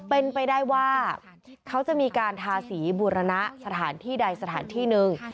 เป็นไปได้ว่าเขาจะมีการทาสีบูรณะสถานที่ใดสถานที่หนึ่ง